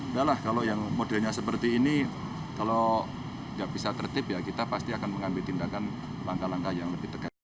udahlah kalau yang modelnya seperti ini kalau nggak bisa tertip ya kita pasti akan mengambil tindakan langkah langkah yang lebih tegas